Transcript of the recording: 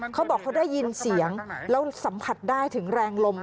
เขาบอกเขาได้ยินเสียงแล้วสัมผัสได้ถึงแรงลม